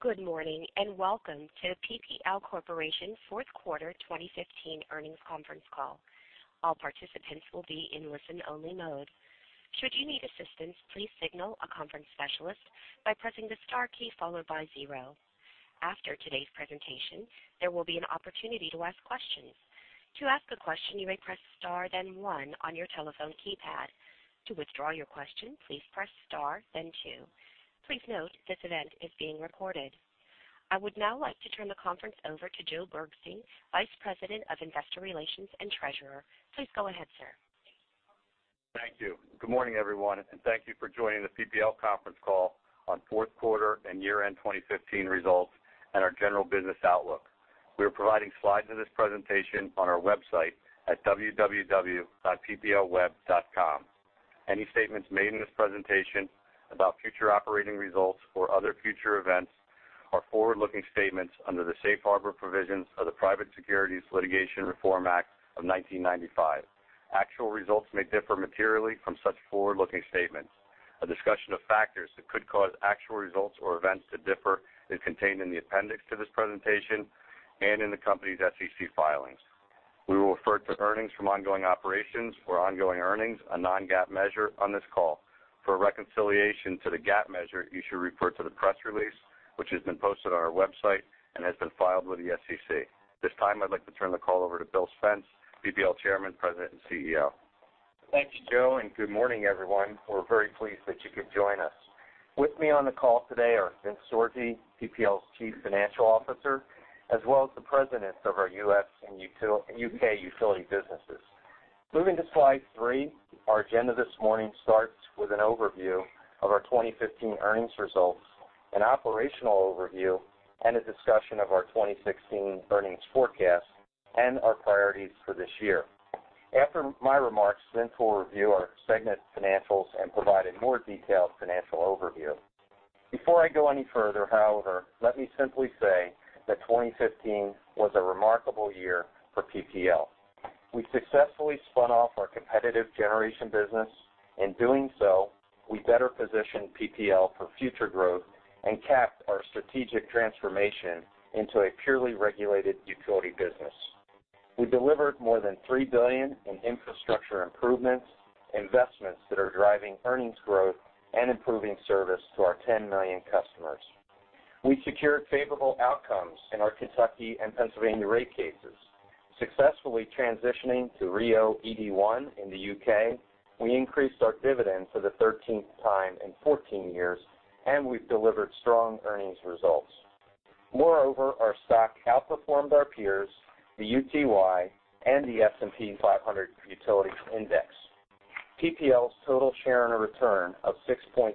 Good morning. Welcome to PPL Corporation fourth quarter 2015 earnings conference call. All participants will be in listen-only mode. Should you need assistance, please signal a conference specialist by pressing the star key followed by zero. After today's presentation, there will be an opportunity to ask questions. To ask a question, you may press star then one on your telephone keypad. To withdraw your question, please press star then two. Please note this event is being recorded. I would now like to turn the conference over to Joe Bergstein, Vice President of Investor Relations and Treasurer. Please go ahead, sir. Thank you. Good morning, everyone, and thank you for joining the PPL conference call on fourth quarter and year-end 2015 results and our general business outlook. We are providing slides of this presentation on our website at www.pplweb.com. Any statements made in this presentation about future operating results or other future events are forward-looking statements under the Safe Harbor provisions of the Private Securities Litigation Reform Act of 1995. Actual results may differ materially from such forward-looking statements. A discussion of factors that could cause actual results or events to differ is contained in the appendix to this presentation and in the company's SEC filings. We will refer to earnings from ongoing operations or ongoing earnings, a non-GAAP measure, on this call. For a reconciliation to the GAAP measure, you should refer to the press release, which has been posted on our website and has been filed with the SEC. This time, I'd like to turn the call over to Bill Spence, PPL Chairman, President, and CEO. Thank you, Joe. Good morning, everyone. We're very pleased that you could join us. With me on the call today are Vince Sorgi, PPL's Chief Financial Officer, as well as the President of our US and UK utility businesses. Moving to slide three, our agenda this morning starts with an overview of our 2015 earnings results, an operational overview, and a discussion of our 2016 earnings forecast and our priorities for this year. After my remarks, Vince will review our segment financials and provide a more detailed financial overview. Before I go any further, however, let me simply say that 2015 was a remarkable year for PPL. We successfully spun off our competitive generation business. In doing so, we better positioned PPL for future growth and capped our strategic transformation into a purely regulated utility business. We delivered more than $3 billion in infrastructure improvements, investments that are driving earnings growth, and improving service to our 10 million customers. We secured favorable outcomes in our Kentucky and Pennsylvania rate cases. Successfully transitioning to RIIO-ED1 in the U.K., we increased our dividend for the 13th time in 14 years. We've delivered strong earnings results. Moreover, our stock outperformed our peers, the UTY, and the S&P 500 Utilities Index. PPL's total share and return of 6.2%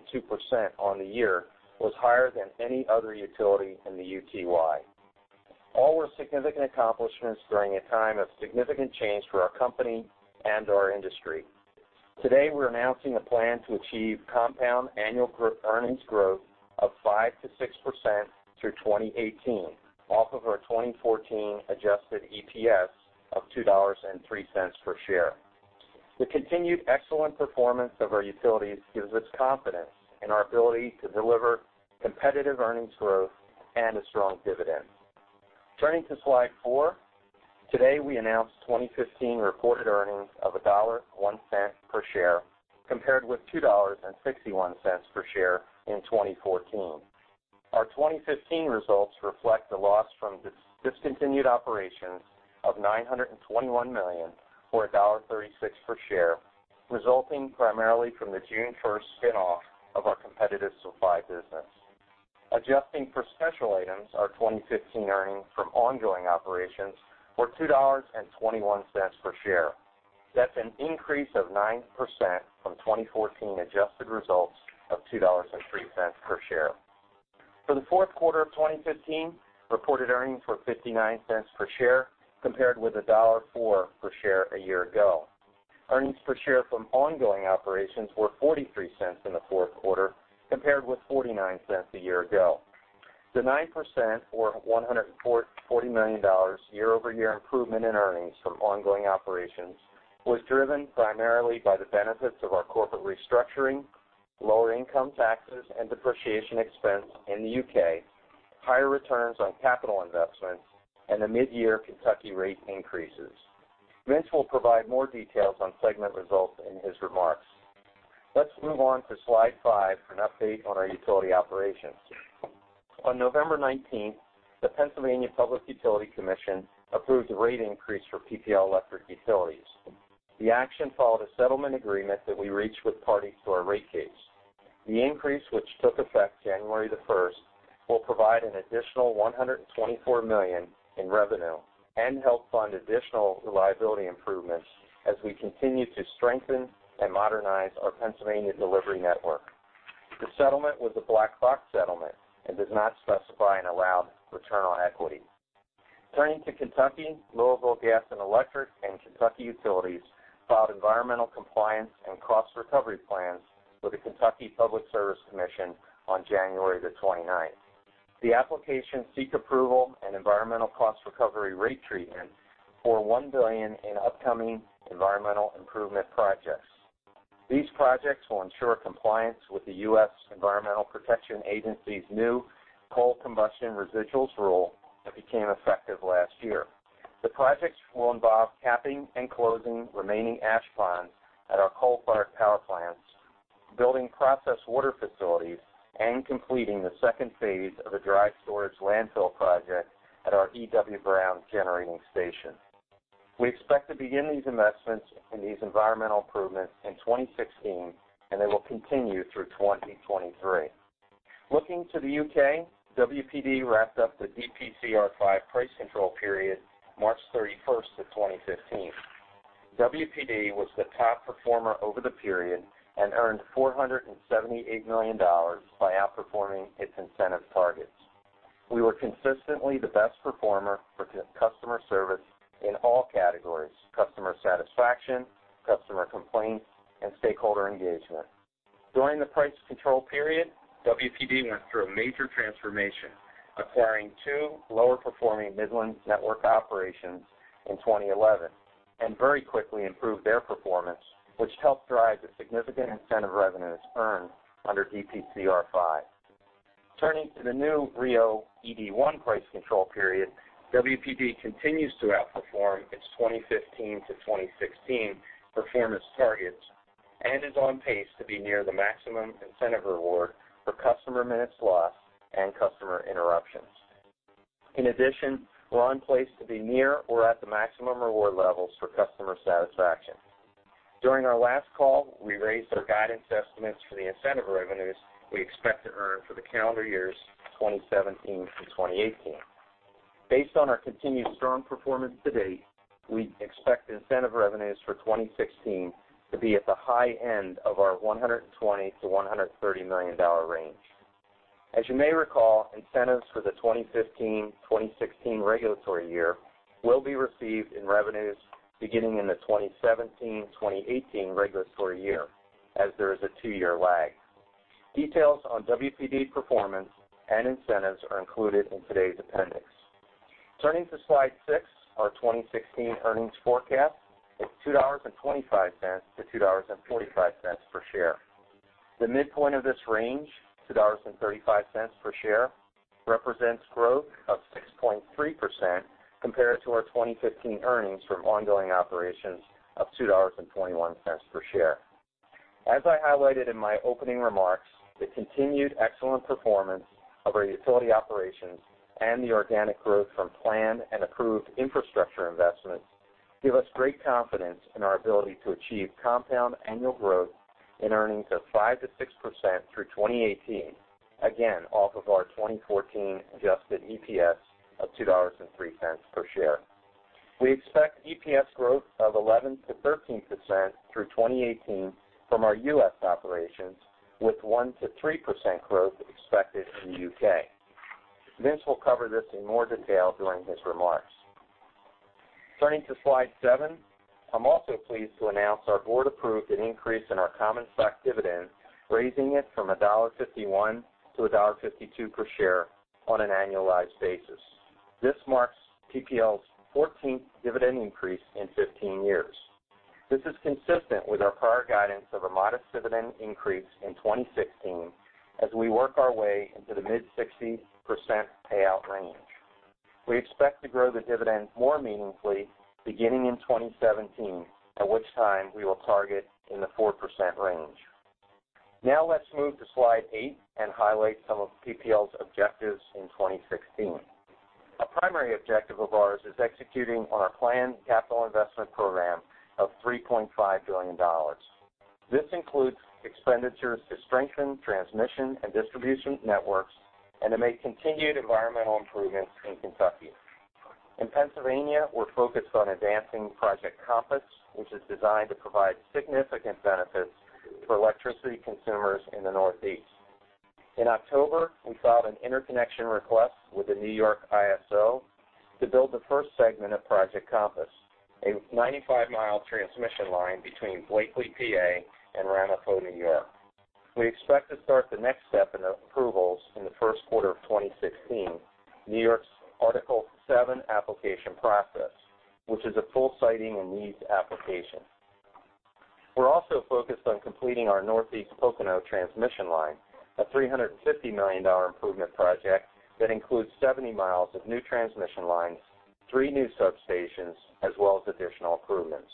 on the year was higher than any other utility in the UTY. All were significant accomplishments during a time of significant change for our company and our industry. Today, we're announcing a plan to achieve compound annual earnings growth of 5%-6% through 2018 off of our 2014 adjusted EPS of $2.03 per share. The continued excellent performance of our utilities gives us confidence in our ability to deliver competitive earnings growth and a strong dividend. Turning to slide four, today we announced 2015 reported earnings of $1.01 per share compared with $2.61 per share in 2014. Our 2015 results reflect a loss from discontinued operations of $921 million or $1.36 per share, resulting primarily from the June 1st spinoff of our competitive supply business. Adjusting for special items, our 2015 earnings from ongoing operations were $2.21 per share. That's an increase of 9% from 2014 adjusted results of $2.03 per share. For the fourth quarter of 2015, reported earnings were $0.59 per share compared with $1.04 per share a year ago. Earnings per share from ongoing operations were $0.43 in the fourth quarter compared with $0.49 a year ago. The 9% or $140 million year-over-year improvement in earnings from ongoing operations was driven primarily by the benefits of our corporate restructuring, lower income taxes and depreciation expense in the U.K., higher returns on capital investments, and the mid-year Kentucky rate increases. Vince will provide more details on segment results in his remarks. Let's move on to slide five for an update on our utility operations. On November 19th, the Pennsylvania Public Utility Commission approved a rate increase for PPL Electric Utilities. The action followed a settlement agreement that we reached with parties to our rate case. The increase, which took effect January 1st, will provide an additional $124 million in revenue and help fund additional reliability improvements as we continue to strengthen and modernize our Pennsylvania delivery network. The settlement was a black box settlement and does not specify an allowed return on equity. Turning to Kentucky, Louisville Gas and Electric and Kentucky Utilities filed environmental compliance and cost recovery plans with the Kentucky Public Service Commission on January 29th. The applications seek approval and environmental cost recovery rate treatment for $1 billion in upcoming environmental improvement projects. These projects will ensure compliance with the US Environmental Protection Agency's new Coal Combustion Residuals rule that became effective last year. The projects will involve capping and closing remaining ash ponds at our coal-fired power plants, building process water facilities, and completing the second phase of a dry storage landfill project at our E.W. Brown generating station. We expect to begin these investments in these environmental improvements in 2016. They will continue through 2023. Looking to the U.K., WPD wrapped up the DPCR5 price control period March 31st, 2015. WPD was the top performer over the period and earned $478 million by outperforming its incentive targets. We were consistently the best performer for customer service in all categories: customer satisfaction, customer complaints, and stakeholder engagement. During the price control period, WPD went through a major transformation, acquiring two lower-performing Central Networks operations in 2011, and very quickly improved their performance, which helped drive the significant incentive revenues earned under DPCR5. Turning to the new RIIO-ED1 price control period, WPD continues to outperform its 2015-2016 performance targets and is on pace to be near the maximum incentive reward for customer minutes lost and customer interruptions. In addition, we're on pace to be near or at the maximum reward levels for customer satisfaction. During our last call, we raised our guidance estimates for the incentive revenues we expect to earn for the calendar years 2017-2018. Based on our continued strong performance to date, we expect incentive revenues for 2016 to be at the high end of our $120 million-$130 million range. You may recall, incentives for the 2015-2016 regulatory year will be received in revenues beginning in the 2017-2018 regulatory year, as there is a two-year lag. Details on WPD performance and incentives are included in today's appendix. To slide six, our 2016 earnings forecast is $2.25-$2.45 per share. The midpoint of this range, $2.35 per share, represents growth of 6.3% compared to our 2015 earnings from ongoing operations of $2.21 per share. As I highlighted in my opening remarks, the continued excellent performance of our utility operations and the organic growth from planned and approved infrastructure investments give us great confidence in our ability to achieve compound annual growth in earnings of 5%-6% through 2018, again off of our 2014 adjusted EPS of $2.03 per share. We expect EPS growth of 11%-13% through 2018 from our US operations, with 1%-3% growth expected in the U.K. Vince will cover this in more detail during his remarks. Turning to slide seven, I'm also pleased to announce our board-approved increase in our common stock dividend, raising it from $1.51-$1.52 per share on an annualized basis. This marks PPL's 14th dividend increase in 15 years. This is consistent with our prior guidance of a modest dividend increase in 2016 as we work our way into the mid-60% payout range. We expect to grow the dividend more meaningfully beginning in 2017, at which time we will target in the 4% range. Now let's move to slide eight and highlight some of PPL's objectives in 2016. A primary objective of ours is executing on our planned capital investment program of $3.5 billion. This includes expenditures to strengthen transmission and distribution networks and to make continued environmental improvements in Kentucky. In Pennsylvania, we're focused on advancing Project Compass, which is designed to provide significant benefits for electricity consumers in the Northeast. In October, we filed an interconnection request with the New York ISO to build the first segment of Project Compass, a 95mi transmission line between Blakely, PA., and Ramapo, New York. We expect to start the next step in approvals in the first quarter of 2016, New York's Article VII application process, which is a full siting and needs application. We're also focused on completing our Northeast Pocono transmission line, a $350 million improvement project that includes 70mi of new transmission lines, three new substations, as well as additional improvements.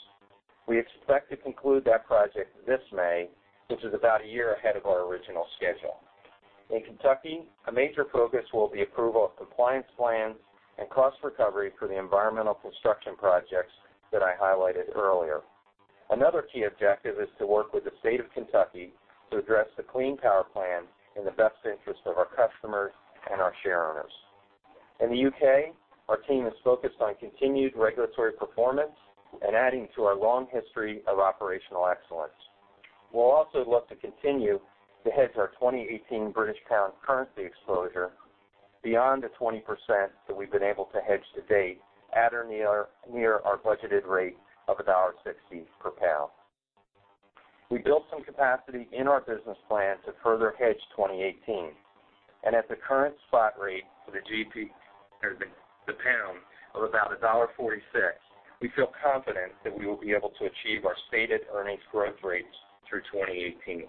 We expect to conclude that project this May, which is about a year ahead of our original schedule. In Kentucky, a major focus will be approval of compliance plans and cost recovery for the environmental construction projects that I highlighted earlier. Another key objective is to work with the state of Kentucky to address the Clean Power Plan in the best interest of our customers and our shareholders. In the U.K., our team is focused on continued regulatory performance and adding to our long history of operational excellence. We'll also look to continue to hedge our 2018 British Pound currency exposure beyond the 20% that we've been able to hedge to date at or near our budgeted rate of $1.60 per pound. We built some capacity in our business plan to further hedge 2018, and at the current spot rate for the pound of about $1.46, we feel confident that we will be able to achieve our stated earnings growth rates through 2018.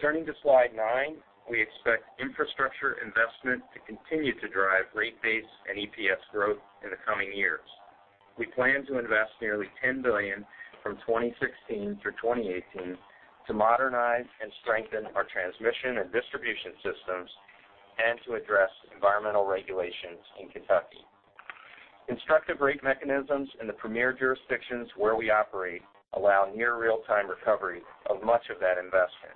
Turning to slide nine, we expect infrastructure investment to continue to drive rate base and EPS growth in the coming years. We plan to invest nearly $10 billion from 2016 through 2018 to modernize and strengthen our transmission and distribution systems and to address environmental regulations in Kentucky. Instructive rate mechanisms in the premier jurisdictions where we operate allow near-real-time recovery of much of that investment.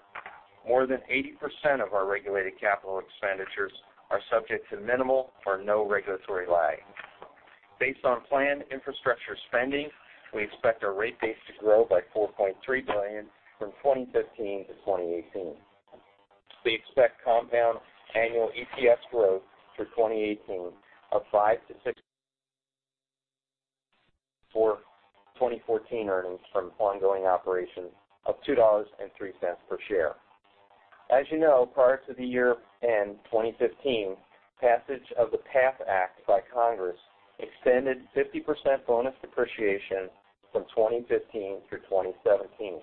More than 80% of our regulated capital expenditures are subject to minimal or no regulatory lag. Based on planned infrastructure spending, we expect our rate base to grow by $4.3 billion from 2015-2018. We expect compound annual EPS growth through 2018 of 5%-6% for 2014 earnings from ongoing operations of $2.03 per share. As you know, prior to the year-end 2015, passage of the PATH Act by Congress extended 50% bonus depreciation from 2015 through 2017,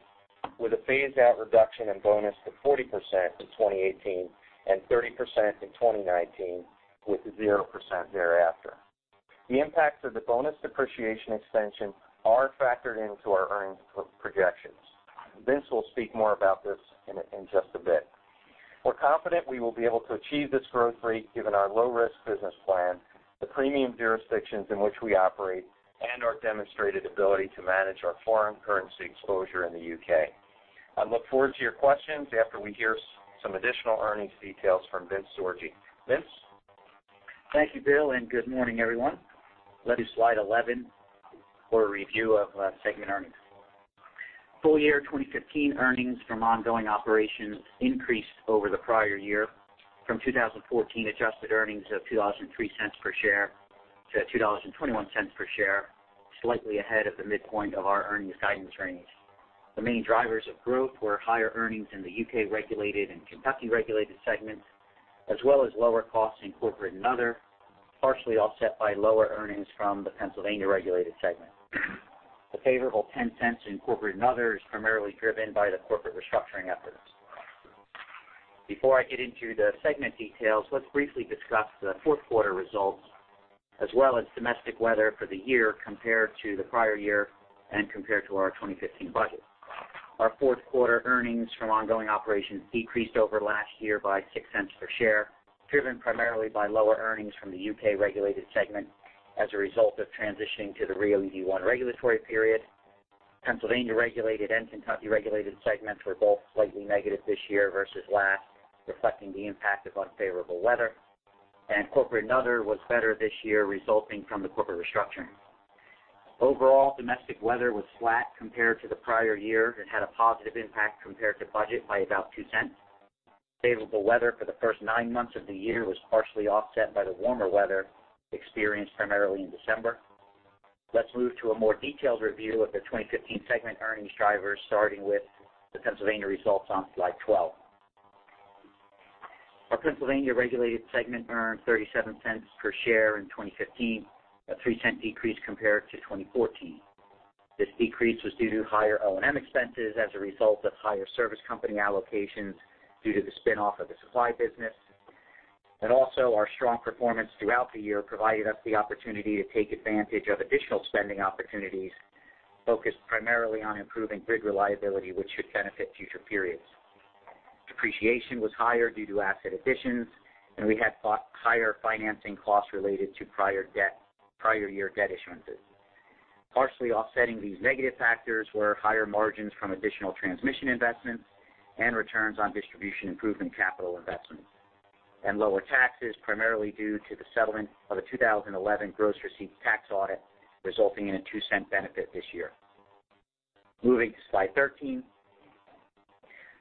with a phased-out reduction in bonus to 40% in 2018 and 30% in 2019, with 0% thereafter. The impacts of the bonus depreciation extension are factored into our earnings projections. Vince will speak more about this in just a bit. We're confident we will be able to achieve this growth rate given our low-risk business plan, the premium jurisdictions in which we operate, and our demonstrated ability to manage our foreign currency exposure in the U.K. I look forward to your questions after we hear some additional earnings details from Vince Sorgi. Vince? Thank you, Bill, and good morning, everyone. Let me slide 11 for a review of segment earnings. Full year 2015 earnings from ongoing operations increased over the prior year. From 2014 adjusted earnings of $0.03 per share to $0.21 per share, slightly ahead of the midpoint of our earnings guidance range. The main drivers of growth were higher earnings in the UK Regulated and Kentucky Regulated segments, as well as lower costs in Corporate and Other, partially offset by lower earnings from the Pennsylvania Regulated segment. The favorable $0.10 in Corporate and Other is primarily driven by the corporate restructuring efforts. Before I get into the segment details, let's briefly discuss the fourth quarter results as well as domestic weather for the year compared to the prior year and compared to our 2015 budget. Our fourth quarter earnings from ongoing operations decreased over last year by $0.06 per share, driven primarily by lower earnings from the UK Regulated segment as a result of transitioning to the RIIO-ED1 regulatory period. Pennsylvania Regulated and Kentucky Regulated segments were both slightly negative this year versus last, reflecting the impact of unfavorable weather, and corporate and other was better this year resulting from the corporate restructuring. Overall, domestic weather was flat compared to the prior year and had a positive impact compared to budget by about $0.02. Favorable weather for the first nine months of the year was partially offset by the warmer weather experienced primarily in December. Let's move to a more detailed review of the 2015 segment earnings drivers, starting with the Pennsylvania results on slide 12. Our Pennsylvania Regulated segment earned $0.37 per share in 2015, a $0.03 decrease compared to 2014. This decrease was due to higher O&M expenses as a result of higher service company allocations due to the spinoff of the supply business. Our strong performance throughout the year provided us the opportunity to take advantage of additional spending opportunities focused primarily on improving grid reliability, which should benefit future periods. Depreciation was higher due to asset additions, and we had higher financing costs related to prior year debt issuances. Partially offsetting these negative factors were higher margins from additional transmission investments and returns on distribution improvement capital investments, and lower taxes primarily due to the settlement of a 2011 gross receipts tax audit resulting in a $0.02 benefit this year. Moving to slide 13,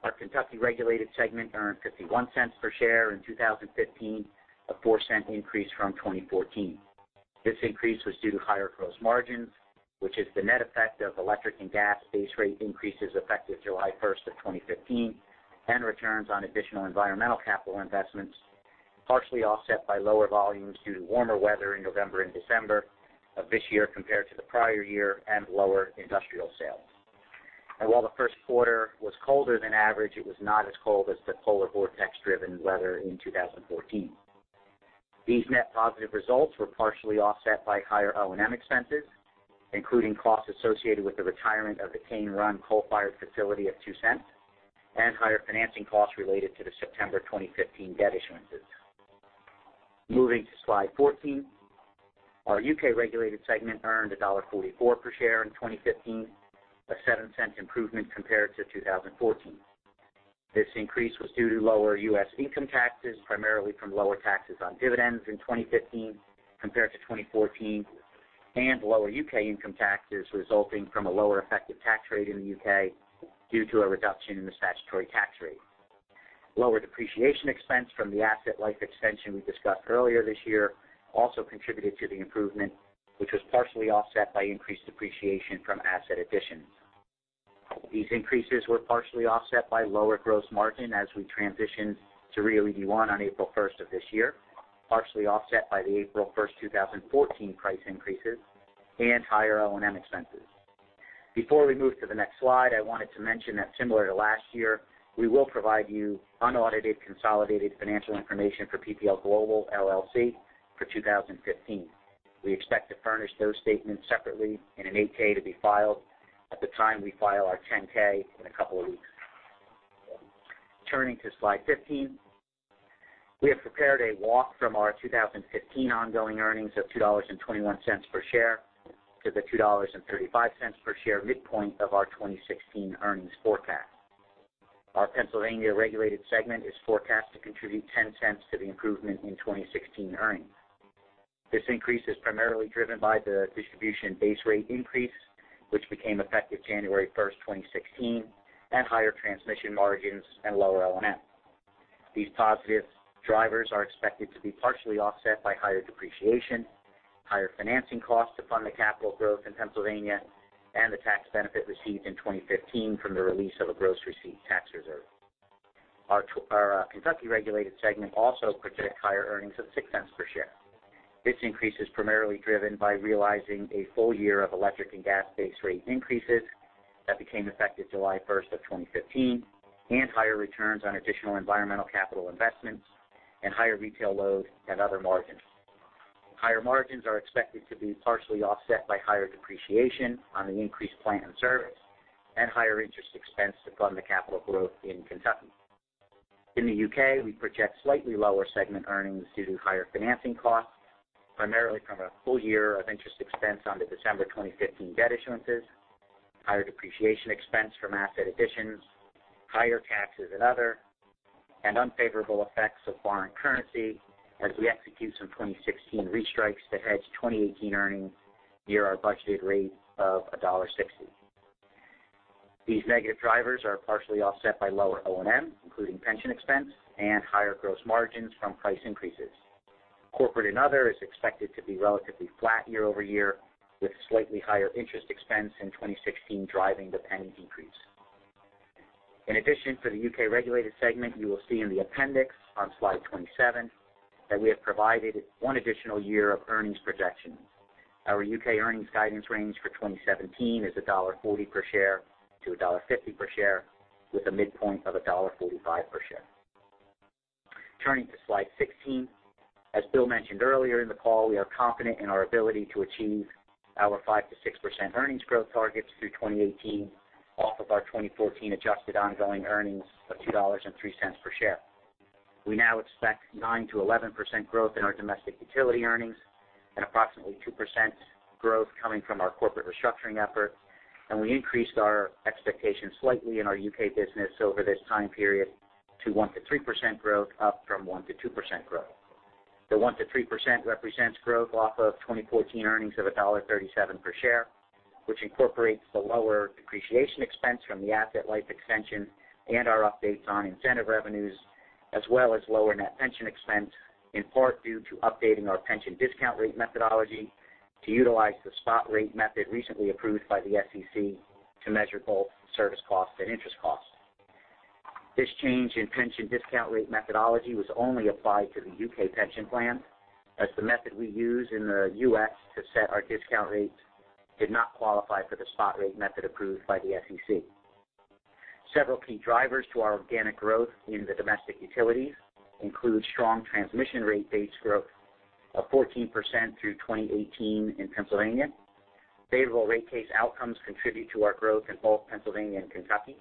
our Kentucky regulated segment earned $0.51 per share in 2015, a $0.04 increase from 2014. This increase was due to higher gross margins, which is the net effect of electric and gas base rate increases effective July 1st of 2015 and returns on additional environmental capital investments, partially offset by lower volumes due to warmer weather in November and December of this year compared to the prior year and lower industrial sales. While the first quarter was colder than average, it was not as cold as the polar vortex-driven weather in 2014. These net positive results were partially offset by higher O&M expenses, including costs associated with the retirement of the Cane Run coal-fired facility of $0.02 and higher financing costs related to the September 2015 debt issuances. Moving to slide 14, our UK Regulated segment earned $1.44 per share in 2015, a $0.07 improvement compared to 2014. This increase was due to lower US income taxes, primarily from lower taxes on dividends in 2015 compared to 2014, and lower UK income taxes resulting from a lower effective tax rate in the U.K. due to a reduction in the statutory tax rate. Lower depreciation expense from the asset life extension we discussed earlier this year also contributed to the improvement, which was partially offset by increased depreciation from asset additions. These increases were partially offset by lower gross margin as we transitioned to RIIO-ED1 on April 1st of this year, partially offset by the April 1st, 2014 price increases, and higher O&M expenses. Before we move to the next slide, I wanted to mention that similar to last year, we will provide you unaudited consolidated financial information for PPL Global, LLC, for 2015. We expect to furnish those statements separately in an 8-K to be filed at the time we file our 10-K in a couple of weeks. Turning to slide 15, we have prepared a walk from our 2015 ongoing earnings of $2.21 per share to the $2.35 per share midpoint of our 2016 earnings forecast. Our Pennsylvania Regulated segment is forecast to contribute $0.10 to the improvement in 2016 earnings. This increase is primarily driven by the distribution base rate increase, which became effective January 1st, 2016, and higher transmission margins and lower O&M. These positive drivers are expected to be partially offset by higher depreciation, higher financing costs to fund the capital growth in Pennsylvania, and the tax benefit received in 2015 from the release of a gross receipts tax reserve. Our Kentucky Regulated segment also projects higher earnings of $0.06 per share. This increase is primarily driven by realizing a full year of electric and gas base rate increases that became effective July 1st, 2015, and higher returns on additional environmental capital investments, and higher retail load and other margins. Higher margins are expected to be partially offset by higher depreciation on the increased plant in service, and higher interest expense to fund the capital growth in Kentucky. In the U.K., we project slightly lower segment earnings due to higher financing costs, primarily from a full year of interest expense on the December 2015 debt issuances, higher depreciation expense from asset additions, higher taxes and other, and unfavorable effects of foreign currency as we execute some 2016 restrikes to hedge 2018 earnings near our budgeted rate of $1.60. These negative drivers are partially offset by lower O&M, including pension expense and higher gross margins from price increases. Corporate and other is expected to be relatively flat year-over-year, with slightly higher interest expense in 2016 driving the penny decrease. In addition, for the UK Regulated segment, you will see in the appendix on slide 27 that we have provided one additional year of earnings projections. Our UK earnings guidance range for 2017 is $1.40 per share to $1.50 per share, with a midpoint of $1.45 per share. Turning to slide 16, as Bill mentioned earlier in the call, we are confident in our ability to achieve our 5%-6% earnings growth targets through 2018 off of our 2014 adjusted ongoing earnings of $2.03 per share. We now expect 9%-11% growth in our domestic utility earnings and approximately 2% growth coming from our corporate restructuring efforts. We increased our expectations slightly in our UK business over this time period to 1%-3% growth, up from 1%-2% growth. The 1%-3% represents growth off of 2014 earnings of $1.37 per share, which incorporates the lower depreciation expense from the asset life extension and our updates on incentive revenues, as well as lower net pension expense, in part due to updating our pension discount rate methodology to utilize the spot rate method recently approved by the SEC to measure both service costs and interest costs. This change in pension discount rate methodology was only applied to the UK pension plan, as the method we use in the U.S. to set our discount rates did not qualify for the spot rate method approved by the SEC. Several key drivers to our organic growth in the domestic utilities include strong transmission rate base growth of 14% through 2018 in Pennsylvania. Favorable rate case outcomes contribute to our growth in both Pennsylvania and Kentucky.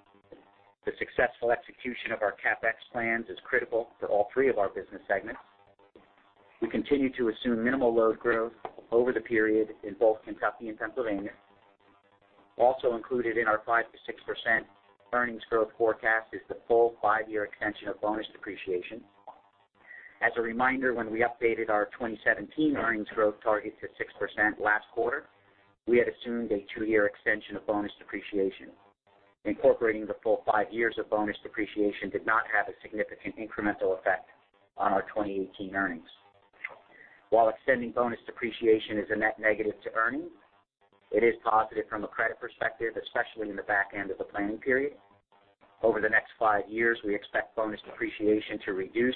The successful execution of our CapEx plans is critical for all three of our business segments. We continue to assume minimal load growth over the period in both Kentucky and Pennsylvania. Also included in our 5%-6% earnings growth forecast is the full five-year extension of bonus depreciation. As a reminder, when we updated our 2017 earnings growth target to 6% last quarter, we had assumed a two-year extension of bonus depreciation. Incorporating the full five years of bonus depreciation did not have a significant incremental effect on our 2018 earnings. While extending bonus depreciation is a net negative to earnings, it is positive from a credit perspective, especially in the back end of the planning period. Over the next five years, we expect bonus depreciation to reduce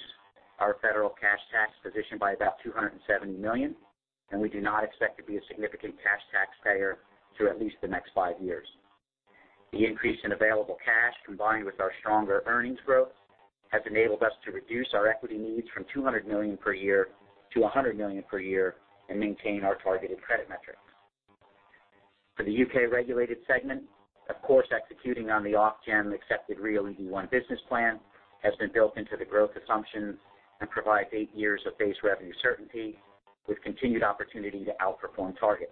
our federal cash tax position by about $270 million, and we do not expect to be a significant cash tax payer through at least the next five years. The increase in available cash, combined with our stronger earnings growth, has enabled us to reduce our equity needs from $200 million per year-$100 million per year and maintain our targeted credit metrics. For the UK Regulated segment, of course, executing on the Ofgem accepted RIIO-ED1 business plan has been built into the growth assumptions and provides eight years of base revenue certainty with continued opportunity to outperform targets.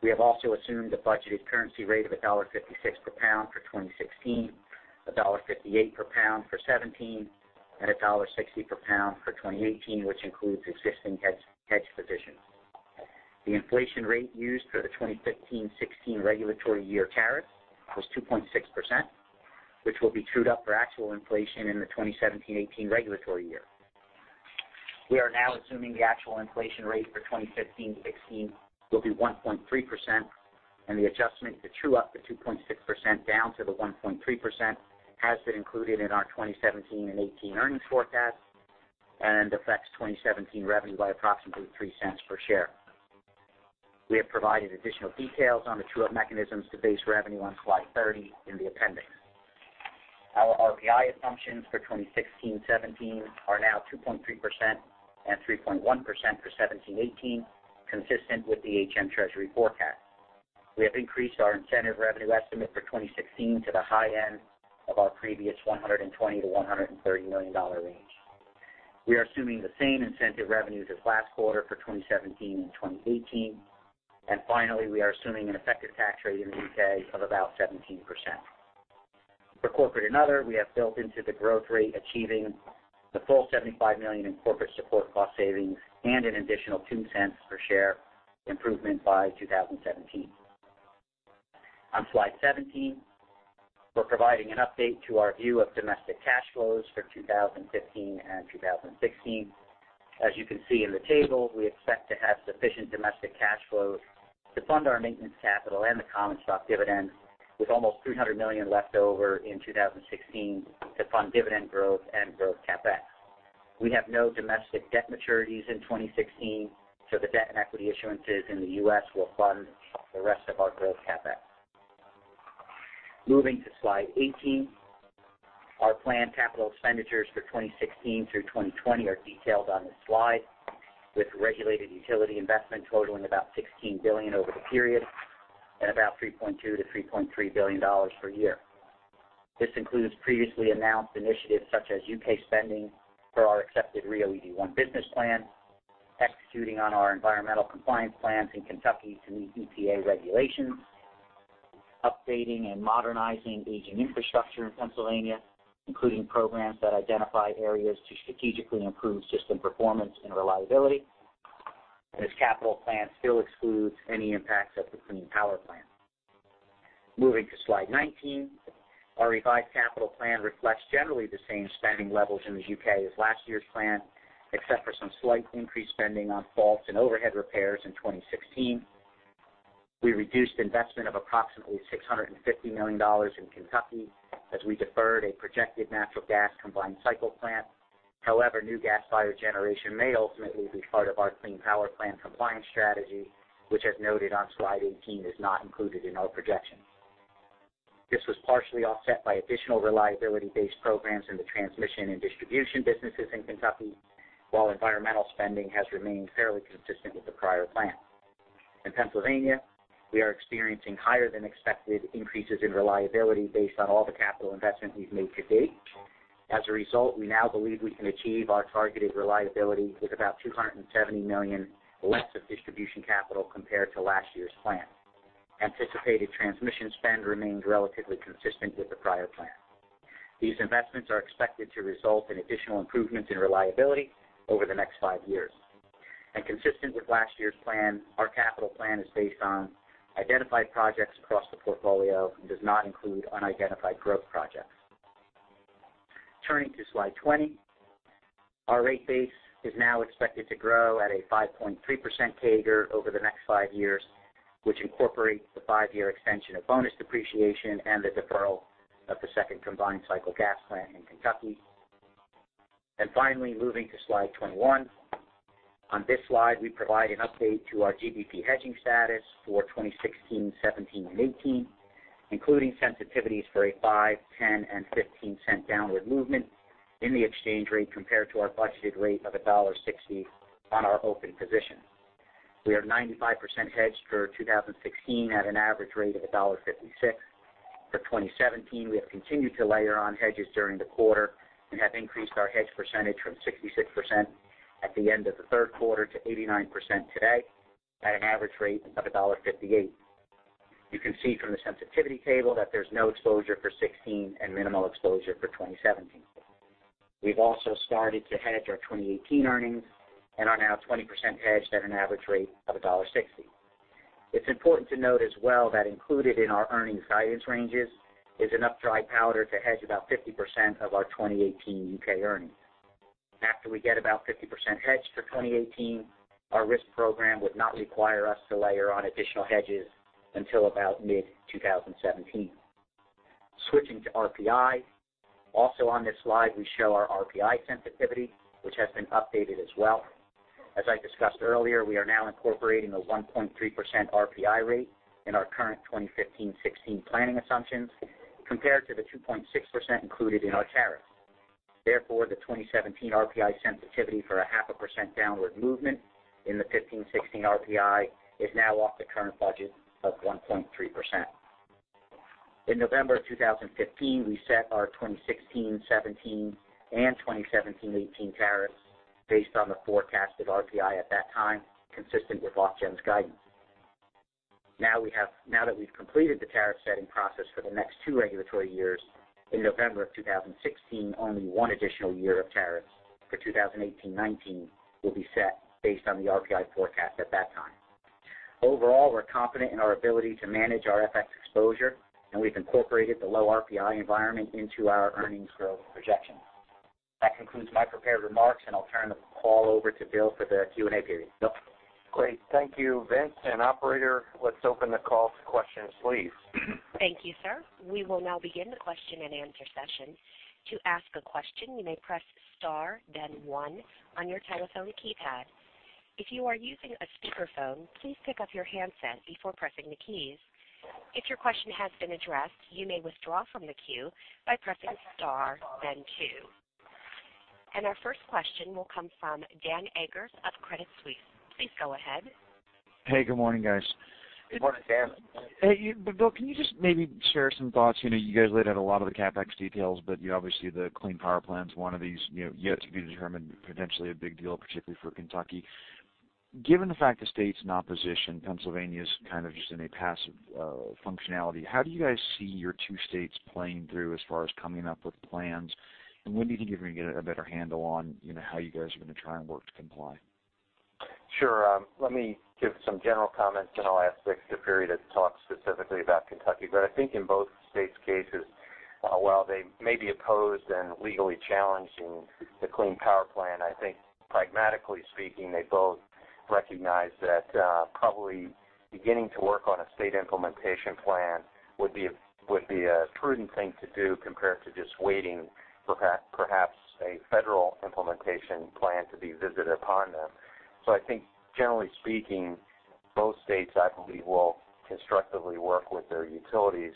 We have also assumed a budgeted currency rate of $1.56 per pound for 2016, $1.58 per pound for 2017, and $1.60 per pound for 2018, which includes existing hedge positions. The inflation rate used for the 2015-2016 regulatory year tariff was 2.6%, which will be trued up for actual inflation in the 2017-2018 regulatory year. We are now assuming the actual inflation rate for 2015-2016 will be 1.3%, and the adjustment to true up the 2.6% down to the 1.3% has been included in our 2017 and 2018 earnings forecast and affects 2017 revenue by approximately $0.03 per share. We have provided additional details on the true-up mechanisms to base revenue on slide 30 in the appendix. Our RPI assumptions for 2016-2017 are now 2.3% and 3.1% for 2017-2018, consistent with the HM Treasury forecast. We have increased our incentive revenue estimate for 2016 to the high end of our previous $120 million-$130 million range. We are assuming the same incentive revenues as last quarter for 2017 and 2018, and finally, we are assuming an effective tax rate in the U.K. of about 17%. For corporate and other, we have built into the growth rate achieving the full $75 million in corporate support cost savings and an additional $0.02 per share improvement by 2017. On slide 17, we are providing an update to our view of domestic cash flows for 2015 and 2016. As you can see in the table, we expect to have sufficient domestic cash flows to fund our maintenance capital and the common stock dividend, with almost $300 million left over in 2016 to fund dividend growth and growth CapEx. We have no domestic debt maturities in 2016, the debt and equity issuances in the U.S. will fund the rest of our growth CapEx. Moving to slide 18, our planned capital expenditures for 2016 through 2020 are detailed on this slide, with regulated utility investment totaling about $16 billion over the period and about $3.2 billion-$3.3 billion per year. This includes previously announced initiatives such as UK spending for our accepted RIIO-ED1 business plan, executing on our environmental compliance plans in Kentucky to meet EPA regulations, updating and modernizing aging infrastructure in Pennsylvania, including programs that identify areas to strategically improve system performance and reliability, and this capital plan still excludes any impacts of the Clean Power Plan. Moving to slide 19, our revised capital plan reflects generally the same spending levels in the U.K. as last year's plan, except for some slight increased spending on faults and overhead repairs in 2016. We reduced investment of approximately $650 million in Kentucky as we deferred a projected natural gas combined cycle plant. However, new gas-fired generation may ultimately be part of our Clean Power Plan compliance strategy, which, as noted on slide 18, is not included in our projections. This was partially offset by additional reliability-based programs in the transmission and distribution businesses in Kentucky, while environmental spending has remained fairly consistent with the prior plan. In Pennsylvania, we are experiencing higher than expected increases in reliability based on all the capital investment we've made to date. As a result, we now believe we can achieve our targeted reliability with about $270 million less of distribution capital compared to last year's plan. Anticipated transmission spend remained relatively consistent with the prior plan. These investments are expected to result in additional improvements in reliability over the next five years. Consistent with last year's plan, our capital plan is based on identified projects across the portfolio and does not include unidentified growth projects. Turning to slide 20, our rate base is now expected to grow at a 5.3% CAGR over the next five years, which incorporates the five-year extension of bonus depreciation and the deferral of the second combined cycle gas turbine in Kentucky. Finally, moving to slide 21, on this slide, we provide an update to our GBP hedging status for 2016, 2017, and 2018, including sensitivities for a $0.05, $0.10, and $0.15 downward movement in the exchange rate compared to our budgeted rate of $1.60 on our open position. We are 95% hedged for 2016 at an average rate of $1.56. For 2017, we have continued to layer on hedges during the quarter and have increased our hedge percentage from 66% at the end of the third quarter to 89% today at an average rate of $1.58. You can see from the sensitivity table that there's no exposure for 2016 and minimal exposure for 2017. We've also started to hedge our 2018 earnings and are now 20% hedged at an average rate of $1.60. It's important to note as well that included in our earnings guidance ranges is enough dry powder to hedge about 50% of our 2018 UK earnings. After we get about 50% hedged for 2018, our risk program would not require us to layer on additional hedges until about mid-2017. Switching to RPI, also on this slide, we show our RPI sensitivity, which has been updated as well. As I discussed earlier, we are now incorporating a 1.3% RPI rate in our current 2015-2016 planning assumptions compared to the 2.6% included in our tariffs. The 2017 RPI sensitivity for a half a percent downward movement in the 2015-2016 RPI is now off the current budget of 1.3%. In November of 2015, we set our 2016-2017 and 2017-2018 tariffs based on the forecasted RPI at that time, consistent with Ofgem's guidance. We've completed the tariff setting process for the next two regulatory years, in November of 2016, only one additional year of tariffs for 2018-2019 will be set based on the RPI forecast at that time. We're confident in our ability to manage our FX exposure, and we've incorporated the low RPI environment into our earnings growth projections. That concludes my prepared remarks, and I'll turn the call over to Bill for the Q&A period. Great. Thank you, Vince. Operator, let's open the call for questions, please. Thank you, sir. We will now begin the question and answer session. To ask a question, you may press star, then one one on your telephone keypad. If you are using a speakerphone, please pick up your handset before pressing the keys. If your question has been addressed, you may withdraw from the queue by pressing star then two. And our first question will come from Dan Eggers of Credit Suisse. Please go ahead. Hey, good morning, guys. Good morning, Dan. Hey, Bill, can you just maybe share some thoughts? You guys laid out a lot of the CapEx details, but obviously the Clean Power Plan's one of these yet-to-be-determined, potentially a big deal, particularly for Kentucky. Given the fact the state's in opposition, Pennsylvania's kind of just in a passive functionality, how do you guys see your two states playing through as far as coming up with plans? When do you think you're going to get a better handle on how you guys are going to try and work to comply? Sure. Let me give some general comments, and I'll ask Vic to talk specifically about Kentucky. I think in both states' cases, while they may be opposed and legally challenging the Clean Power Plan, I think pragmatically speaking, they both recognize that probably beginning to work on a state implementation plan would be a prudent thing to do compared to just waiting for perhaps a federal implementation plan to be visited upon them. I think generally speaking, both states, I believe, will constructively work with their utilities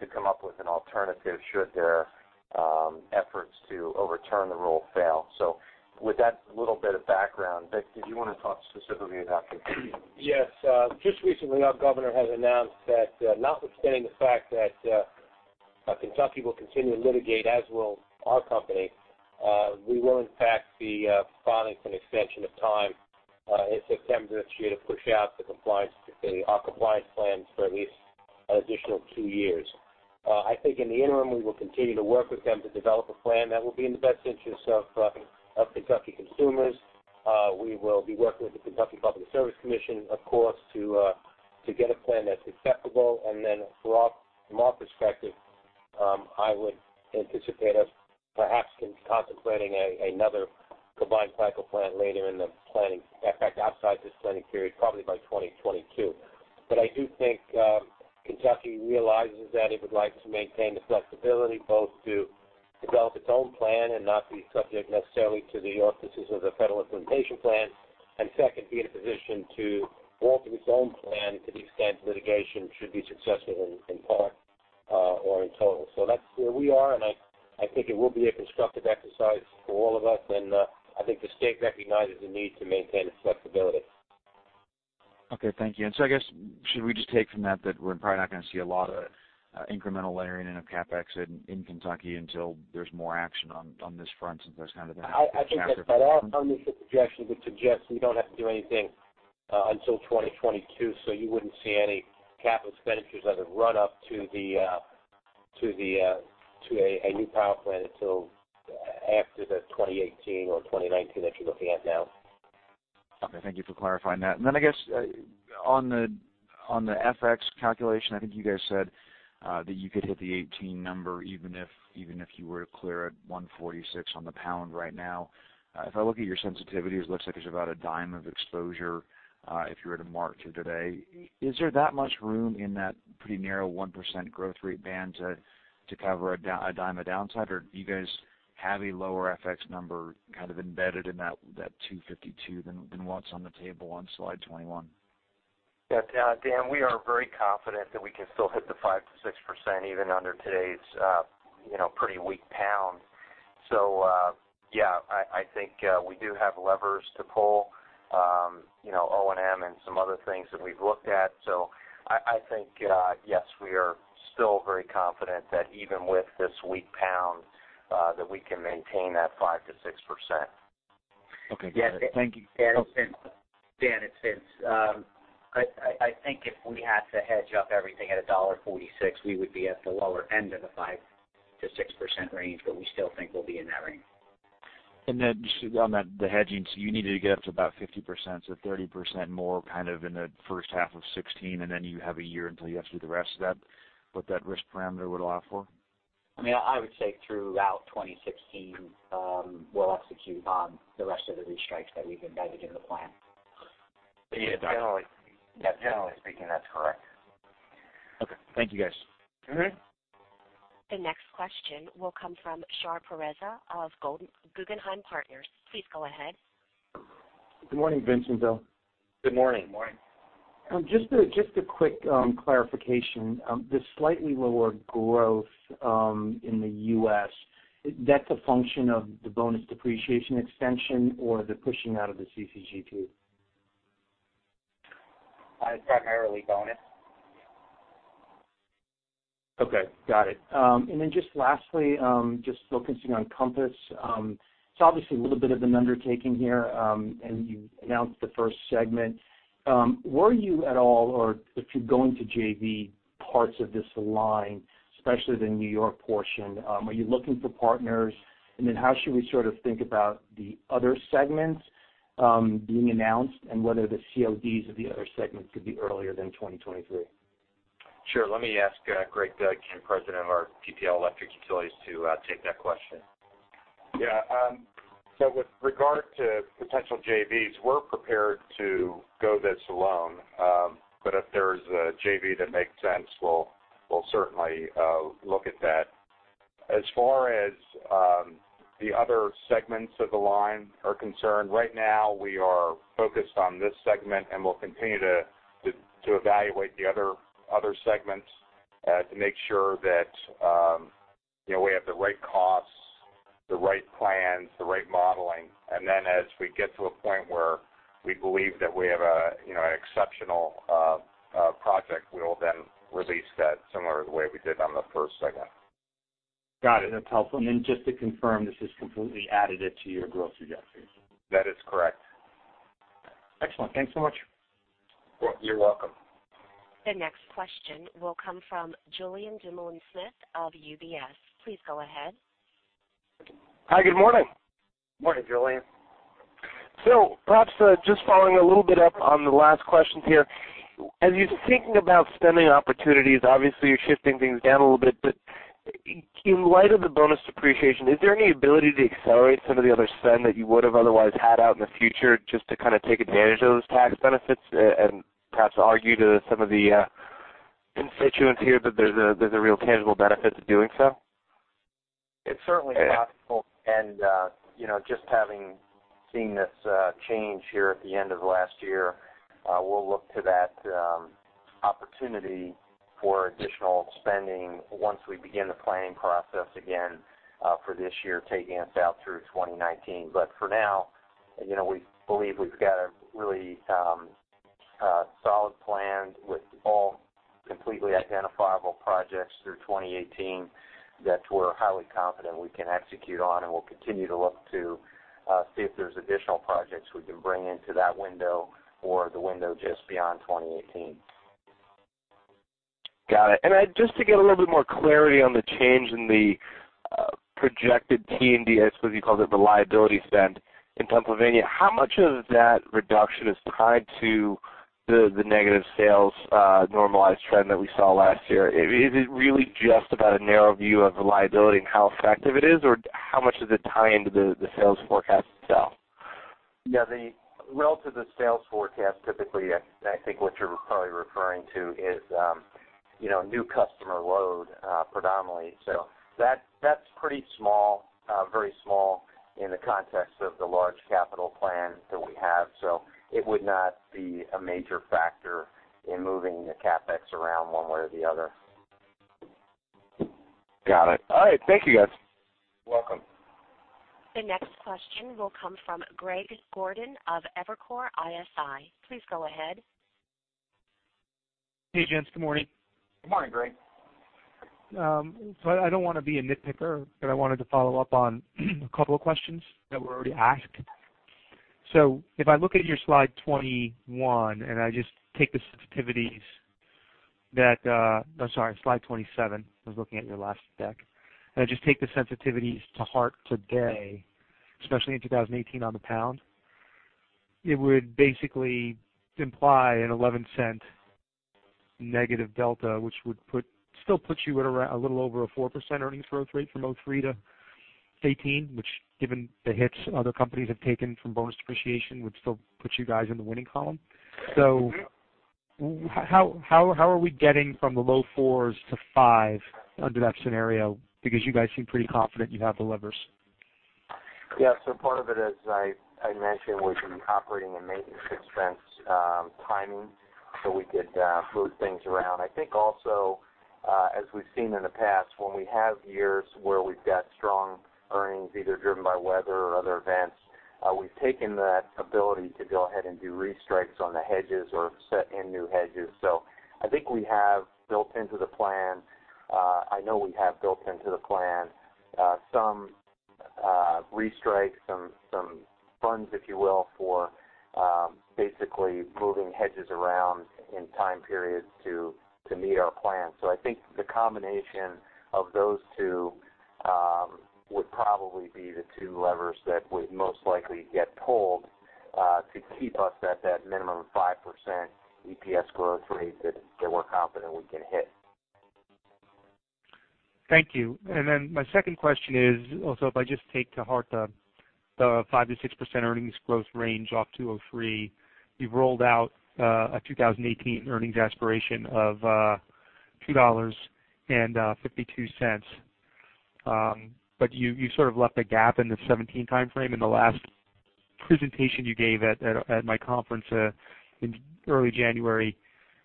to come up with an alternative should their efforts to overturn the rule fail. With that little bit of background, Vic, did you want to talk specifically about Kentucky? Yes. Just recently, our governor has announced that notwithstanding the fact that Kentucky will continue to litigate, as will our company, we will, in fact, be filing for an extension of time in September to push out our compliance plans for at least an additional two years. I think in the interim, we will continue to work with them to develop a plan that will be in the best interests of Kentucky consumers. We will be working with the Kentucky Public Service Commission, of course, to get a plan that's acceptable. From our perspective, I would anticipate us perhaps contemplating another combined cycle plant later in the planning in fact, outside this planning period, probably by 2022. I do think Kentucky realizes that it would like to maintain the flexibility both to develop its own plan and not be subject necessarily to the auspices of the federal implementation plan, and second, be in a position to alter its own plan to the extent litigation should be successful in part or in total. That's where we are, and I think it will be a constructive exercise for all of us. I think the state recognizes the need to maintain its flexibility. Okay. Thank you. I guess should we just take from that that we're probably not going to see a lot of incremental layering in a CapEx in Kentucky until there's more action on this front since that's kind of the next chapter? I think that our funding suggestion would suggest we don't have to do anything until 2022, so you wouldn't see any CapEx as a run-up to a new power plant until after the 2018 or 2019 that you're looking at now. Okay. Thank you for clarifying that. I guess on the FX calculation, I think you guys said that you could hit the 2018 number even if you were to clear at 146 on the pound right now. If I look at your sensitivities, it looks like there's about $0.10 of exposure if you were to mark to today. Is there that much room in that pretty narrow 1% growth rate band to cover $0.10 of downside, or do you guys have a lower FX number kind of embedded in that $2.52 than what's on the table on slide 21? Yes, Dan. We are very confident that we can still hit the 5%-6% even under today's pretty weak pound. I think we do have levers to pull, O&M and some other things that we've looked at. I think, yes, we are still very confident that even with this weak pound, that we can maintain that 5%-6%. Okay. Got it. Thank you. Dan, it's Vince. I think if we had to hedge up everything at $1.46, we would be at the lower end of the 5%-6% range, but we still think we'll be in that range. On the hedging, so you needed to get up to about 50%, so 30% more kind of in the first half of 2016, and then you have one year until you have to do the rest. Is that what that risk parameter would allow for? I mean, I would say throughout 2016, we'll execute on the rest of the restrikes that we've embedded in the plan. Yeah. Generally speaking, that's correct. Okay. Thank you, guys. The next question will come from Shar Pourreza of Guggenheim Partners. Please go ahead. Good morning, Vince, and Bill. Good morning. Good morning. Just a quick clarification. The slightly lower growth in the U.S., that's a function of the bonus depreciation extension or the pushing out of the CCGT too? It's primarily bonus. Okay. Got it. Just lastly, just focusing on Compass, it is obviously a little bit of an undertaking here, and you announced the first segment. Were you at all, or if you are going to JV, parts of this line, especially the New York portion, are you looking for partners? How should we sort of think about the other segments being announced and whether the CODs of the other segments could be earlier than 2023? Sure. Let me ask Greg Dudkin, the president of our PPL Electric Utilities, to take that question. With regard to potential JVs, we're prepared to go this alone, but if there's a JV that makes sense, we'll certainly look at that. As far as the other segments of the line are concerned, right now, we are focused on this segment, and we'll continue to evaluate the other segments to make sure that we have the right costs, the right plans, the right modeling. As we get to a point where we believe that we have an exceptional project, we will then release that similar to the way we did on the first segment. Got it. That's helpful. Just to confirm, this is completely added into your growth suggestion? That is correct. Excellent. Thanks so much. You're welcome. The next question will come from Julien Dumoulin-Smith of UBS. Please go ahead. Hi. Good morning. Morning, Julien. Perhaps just following a little bit up on the last questions here. As you're thinking about spending opportunities, obviously, you're shifting things down a little bit, but in light of the bonus depreciation, is there any ability to accelerate some of the other spend that you would have otherwise had out in the future just to kind of take advantage of those tax benefits and perhaps argue to some of the constituents here that there's a real tangible benefit to doing so? It is certainly possible. Just having seen this change here at the end of last year, we will look to that opportunity for additional spending once we begin the planning process again for this year, taking us out through 2019. For now, we believe we have got a really solid plan with all completely identifiable projects through 2018 that we are highly confident we can execute on, and we will continue to look to see if there is additional projects we can bring into that window or the window just beyond 2018. Got it. Just to get a little bit more clarity on the change in the projected T&D, I suppose you called it reliability spend in Pennsylvania, how much of that reduction is tied to the negative sales normalized trend that we saw last year? Is it really just about a narrow view of reliability and how effective it is, or how much does it tie into the sales forecast itself? Yeah. Relative to the sales forecast, typically, I think what you're probably referring to is new customer load predominantly. That's pretty small, very small in the context of the large capital plan that we have. It would not be a major factor in moving the CapEx around one way or the other. Got it. All right. Thank you, guys. You're welcome. The next question will come from Greg Gordon of Evercore ISI. Please go ahead. Hey, Vince. Good morning. Good morning, Greg. I don't want to be a nitpicker, but I wanted to follow up on a couple of questions that were already asked. If I look at your slide 21 and I just take the sensitivities that oh, sorry, slide 27. I was looking at your last deck. I just take the sensitivities to heart today, especially in 2018 on the GBP, it would basically imply an $0.11 negative delta, which would still put you at a little over a 4% earnings growth rate from 2003-2018, which, given the hits other companies have taken from bonus depreciation, would still put you guys in the winning column. How are we getting from the low fours-five under that scenario? You guys seem pretty confident you have the levers. Yeah. Part of it, as I mentioned, would be operating and maintenance expense timing so we could move things around. I think also, as we've seen in the past, when we have years where we've got strong earnings either driven by weather or other events, we've taken that ability to go ahead and do restrikes on the hedges or set in new hedges. I know we have built into the plan some restrikes, some funds, if you will, for basically moving hedges around in time periods to meet our plan. I think the combination of those two would probably be the two levers that would most likely get pulled to keep us at that minimum 5% EPS growth rate that we're confident we can hit. Thank you. My second question is also if I just take to heart the 5%-6% earnings growth range off 2003, you've rolled out a 2018 earnings aspiration of $2.52, but you sort of left a gap in the 2017 time frame. In the last presentation you gave at my conference in early January,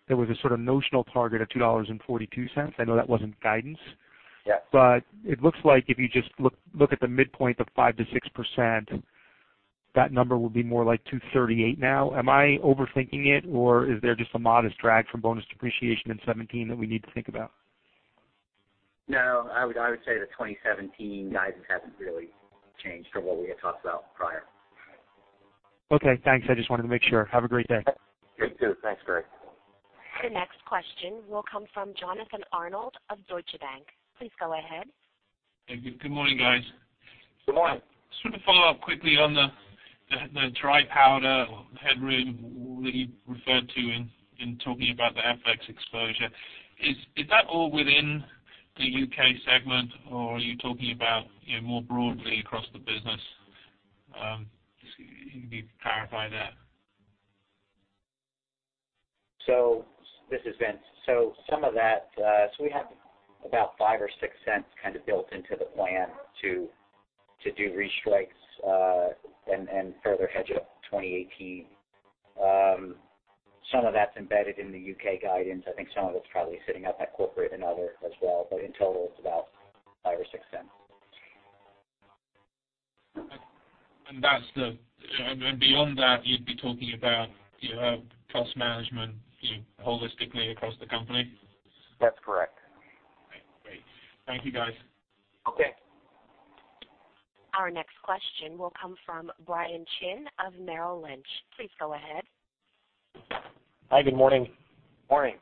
there was a sort of notional target of $2.42. It looks like if you just look at the midpoint of 5%-6%, that number would be more like $2.38 now. Am I overthinking it, or is there just a modest drag from bonus depreciation in 2017 that we need to think about? No. I would say the 2017 guidance hasn't really changed from what we had talked about prior. Okay. Thanks. I just wanted to make sure. Have a great day. You too. Thanks, Greg. The next question will come from Jonathan Arnold of Deutsche Bank. Please go ahead. Good morning, guys. Good morning. Just want to follow up quickly on the dry powder headroom that you referred to in talking about the FX exposure. Is that all within the UK segment, or are you talking about more broadly across the business? If you could clarify that. This is Vince. Some of that we have about $0.05 or $0.06 kind of built into the plan to do restrikes and further hedge up 2018. Some of that's embedded in the UK guidance. I think some of it's probably sitting up at corporate and other as well, in total, it's about $0.05 or $0.06. Beyond that, you'd be talking about cost management holistically across the company? That's correct. Great. Thank you, guys. Okay. Our next question will come from Brian Chin of Merrill Lynch. Please go ahead. Hi. Good morning. Morning.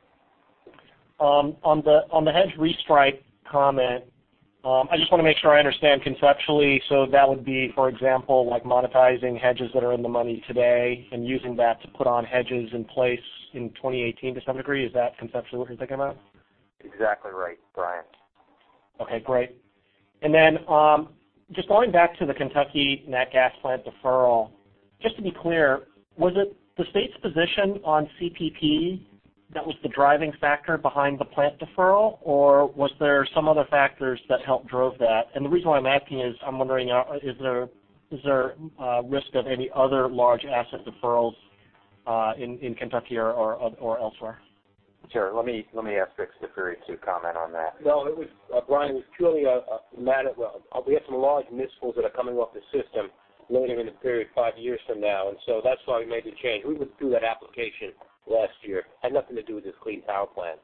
On the hedge restrike comment, I just want to make sure I understand conceptually. That would be, for example, monetizing hedges that are in the money today and using that to put on hedges in place in 2018 to some degree. Is that conceptually what you're thinking about? Exactly right, Brian. Okay. Great. Just going back to the Kentucky NatGas plant deferral, just to be clear, was it the state's position on CPP that was the driving factor behind the plant deferral, or was there some other factors that helped drove that? The reason why I'm asking is I'm wondering, is there a risk of any other large asset deferrals in Kentucky or elsewhere? Sure. Let me ask Vic Staffieri to comment on that. No, Brian, it was purely a matter of we had some large municipals that are coming off the system later in the period, five years from now. That's why we made the change. We would do that application last year. It had nothing to do with this Clean Power Plan.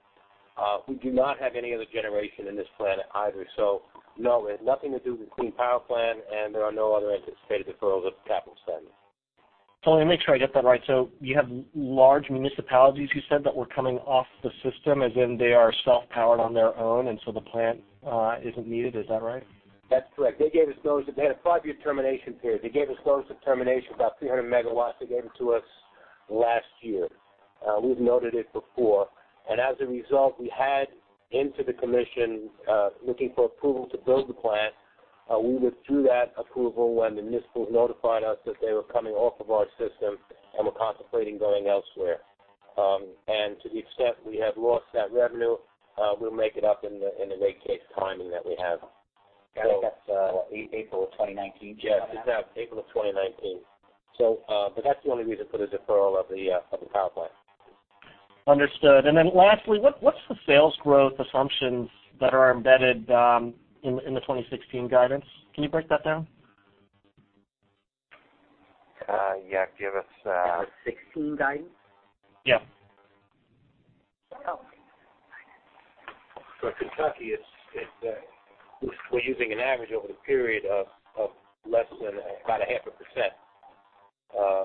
We do not have any other generation in this plant either. No, it had nothing to do with the Clean Power Plan, and there are no other anticipated deferrals of capital spend. Let me make sure I get that right. You have large municipalities, you said, that were coming off the system, as in they are self-powered on their own, and so the plant isn't needed. Is that right? That's correct. They gave us those they had a five-year termination period. They gave us those to termination about 300 MW. They gave it to us last year. We've noted it before. As a result, we had into the commission looking for approval to build the plant. We withdrew that approval when the municipals notified us that they were coming off of our system and were contemplating going elsewhere. To the extent we have lost that revenue, we'll make it up in the rate case timing that we have. I think that's April of 2019, just now? Yes. It's now April of 2019. That's the only reason for the deferral of the power plant. Understood. Then lastly, what's the sales growth assumptions that are embedded in the 2016 guidance? Can you break that down? Yeah. Give us. Is it 2016 guidance? Yeah. Kentucky, we're using an average over the period of less than about 0.5%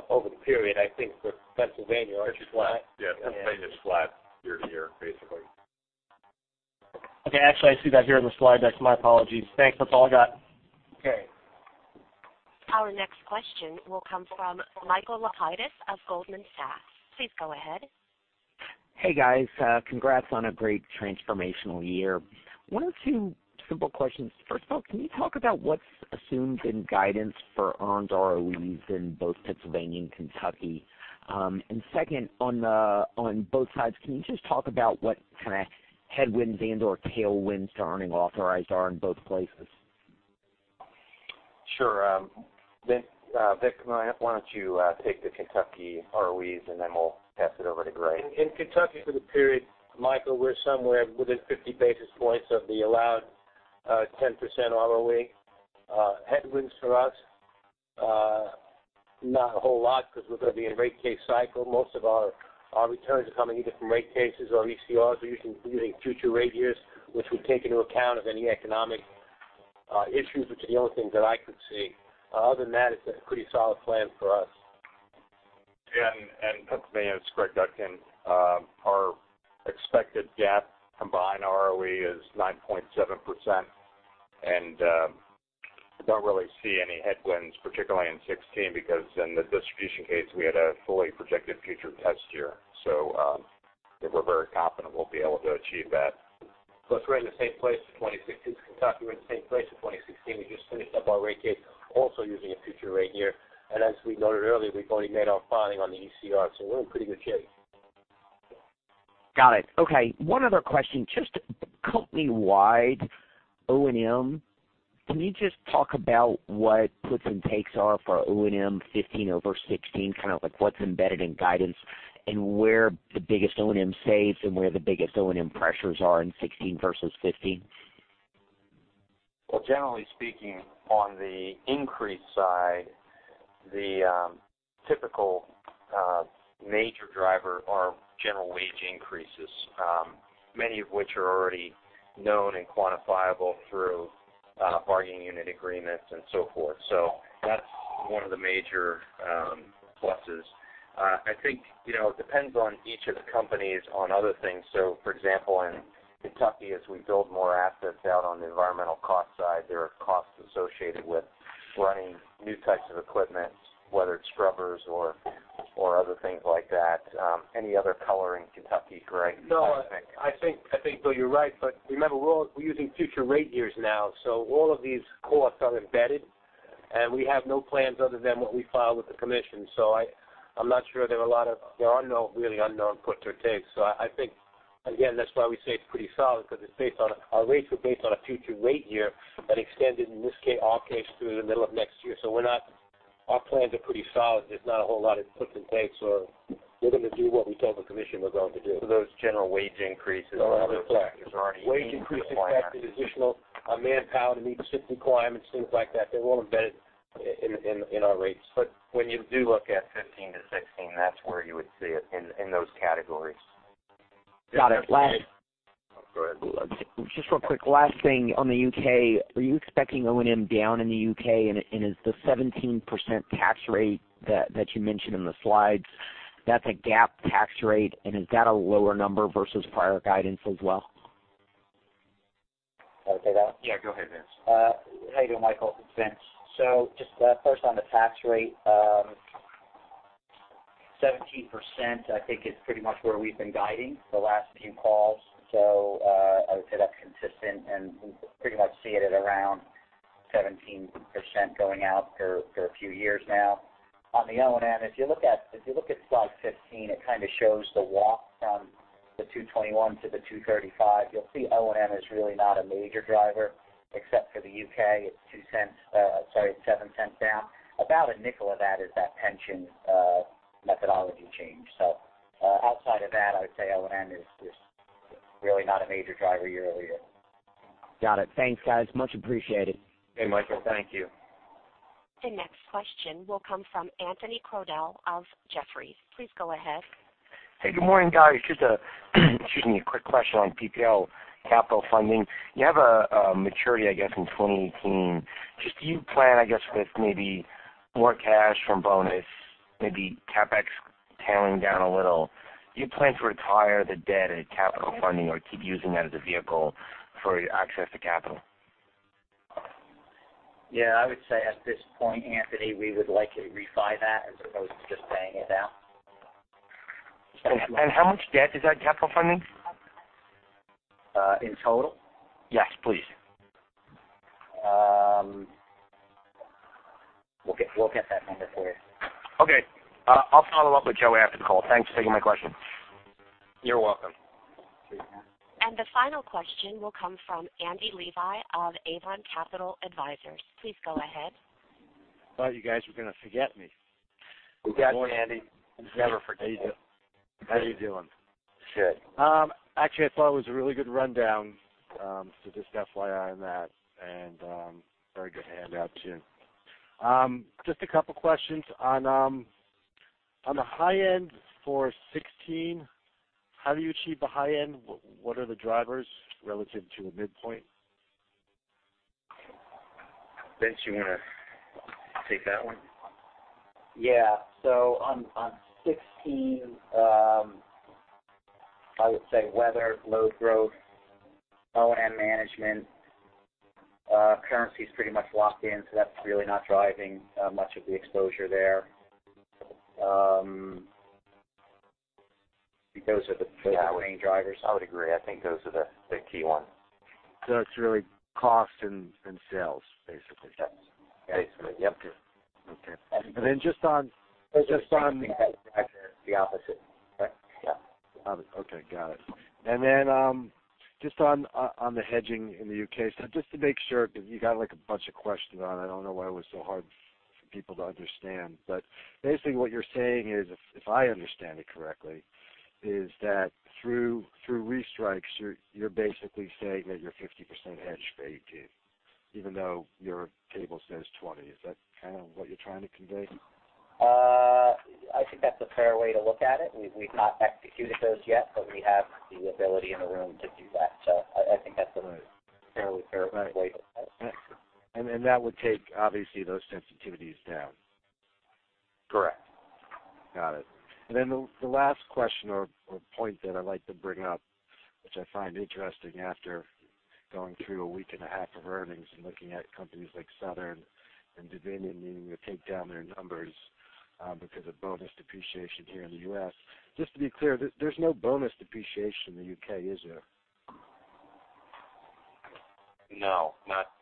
over the period. I think for Pennsylvania, aren't you flat? Yeah. Pennsylvania's flat year-to-year, basically. Okay. Actually, I see that here in the slide deck. My apologies. Thanks. That's all I got. Okay. Our next question will come from Michael Lapides of Goldman Sachs. Please go ahead. Hey, guys. Congrats on a great transformational year. One or two simple questions. First of all, can you talk about what's assumed in guidance for earned ROE in both Pennsylvania and Kentucky? Second, on both sides, can you just talk about what kind of headwinds and/or tailwinds to earning authorized are in both places? Sure. Vic Staffieri, why don't you take the Kentucky ROEs, and then we'll pass it over to Greg Dudkin. In Kentucky, for the period, Michael, we're somewhere within 50 basis points of the allowed 10% ROE. Headwinds for us, not a whole lot because we're going to be in rate case cycle. Most of our returns are coming either from rate cases or ECRs. We're usually using future rate years, which we take into account of any economic issues, which are the only things that I could see. Other than that, it's a pretty solid plan for us. Yeah. Pennsylvania's Greg Dudkin. Our expected GAAP combined ROE is 9.7%, and we don't really see any headwinds, particularly in 2016, because in the distribution case, we had a fully projected future test year. We're very confident we'll be able to achieve that. We're in the same place for 2016. Kentucky, we're in the same place for 2016. We just finished up our rate case also using a future rate year. As we noted earlier, we've already made our filing on the ECR, we're in pretty good shape. Got it. Okay. One other question. Just company-wide, O&M, can you just talk about what puts and takes are for O&M 2015 over 2016, kind of what's embedded in guidance, where the biggest O&M saves and where the biggest O&M pressures are in 2016 versus 2015? Well, generally speaking, on the increase side, the typical major driver are general wage increases, many of which are already known and quantifiable through bargaining unit agreements and so forth. That's one of the major pluses. I think it depends on each of the companies on other things. For example, in Kentucky, as we build more assets out on the environmental cost side, there are costs associated with running new types of equipment, whether it's scrubbers or other things like that. Any other color in Kentucky, Greg? No. I think, though, you're right. Remember, we're using future rate years now, so all of these costs are embedded, and we have no plans other than what we filed with the Commission. I'm not sure there are no really unknown puts or takes. I think, again, that's why we say it's pretty solid because our rates were based on a future rate year that extended, in this case, our case, through the middle of next year. Our plans are pretty solid. There's not a whole lot of puts and takes, or we're going to do what we told the Commission we're going to do. Those general wage increases and other factors are already being applied? Other factors. Wage increases impacting additional manpower to meet SIP requirements, things like that. They're all embedded in our rates. When you do look at 2015-2016, that's where you would see it in those categories. Got it. Last. Oh, go ahead. Just real quick. Last thing on the U.K. Are you expecting O&M down in the U.K.? Is the 17% tax rate that you mentioned in the slides, that's a GAAP tax rate, and is that a lower number versus prior guidance as well? Can I say that? Yeah. Go ahead, Vince. Hey, there, Michael Lapides. It's Vince Sorgi. Just first on the tax rate, 17%, I think, is pretty much where we've been guiding the last few calls. I would say that's consistent, and we pretty much see it at around 17% going out for a few years now. On the O&M, if you look at slide 15, it kind of shows the walk from the $221 to the $235. You'll see O&M is really not a major driver except for the U.K. It's $0.02, sorry, it's $0.07 down. About $0.05 of that is that pension methodology change. Outside of that, I would say O&M is really not a major driver year-over-year. Got it. Thanks, guys. Much appreciated. Hey, Michael. Thank you. The next question will come from Anthony Crowdell of Jefferies. Please go ahead. Hey. Good morning, guys. A quick question on PPL Capital Funding. You have a maturity, I guess, in 2018. Do you plan, I guess, with maybe more cash from bonus, maybe CapEx tailing down a little, do you plan to retire the debt in Capital Funding or keep using that as a vehicle for access to capital? Yeah. I would say at this point, Anthony, we would likely refi that as opposed to just paying it down. How much debt is that Capital Funding? In total? Yes, please. We'll get that number for you. Okay. I'll follow up with Joe after the call. Thanks for taking my question. You're welcome. The final question will come from Andy Levi of Avon Capital Advisors. Please go ahead. Thought you guys were going to forget me. Good morning, Andy. Never forget you. How are you doing? Good. Actually, I thought it was a really good rundown to just FYI on that and very good handout too. Just a couple of questions. On the high end for 2016, how do you achieve the high end? What are the drivers relative to the midpoint? Vince, you want to take that one? Yeah. On 2016, I would say weather, load growth, O&M management. Currency's pretty much locked in, that's really not driving much of the exposure there. Those are the main drivers. Yeah. I would agree. I think those are the key ones. It's really cost and sales, basically. Yep. Basically. Yep. Okay. There's a hedging that drives it the opposite, right? Yeah. Okay. Got it. Then just on the hedging in the UK stuff, just to make sure because you got a bunch of questions on it. I don't know why it was so hard for people to understand. Basically, what you're saying is, if I understand it correctly, is that through restrikes, you're basically saying that you're 50% hedged for 2018 even though your table says 20%. Is that kind of what you're trying to convey? I think that's a fair way to look at it. We've not executed those yet, but we have the ability in the room to do that. I think that's a fairly fair way to look at it. That would take, obviously, those sensitivities down? Correct. Got it. The last question or point that I'd like to bring up, which I find interesting after going through a week and a half of earnings and looking at companies like Southern and Dominion needing to take down their numbers because of bonus depreciation here in the U.S. Just to be clear, there's no bonus depreciation in the U.K., is there? No.